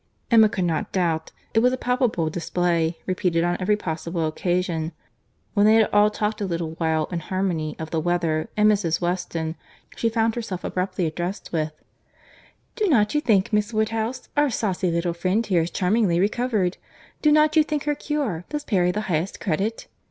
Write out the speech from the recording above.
Emma could not doubt. It was a palpable display, repeated on every possible occasion. When they had all talked a little while in harmony of the weather and Mrs. Weston, she found herself abruptly addressed with, "Do not you think, Miss Woodhouse, our saucy little friend here is charmingly recovered?—Do not you think her cure does Perry the highest credit?